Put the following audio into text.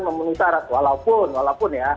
memenuhi syarat walaupun